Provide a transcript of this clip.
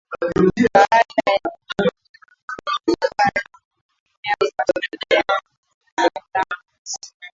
baada ya kutungwa na kutekelezwa kwa sheria kandamizi